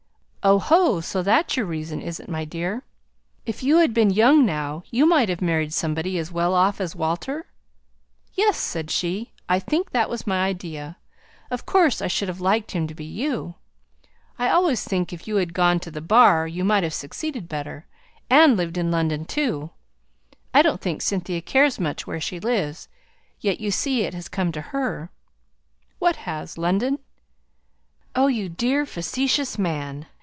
"Oh, ho! so that's your reason, is it, my dear? If you had been young now you might have married somebody as well off as Walter?" "Yes!" said she. "I think that was my idea. Of course I should have liked him to be you. I always think if you had gone to the bar you might have succeeded better, and lived in London, too. I don't think Cynthia cares much where she lives, yet you see it has come to her." "What has London?" "Oh, you dear, facetious man.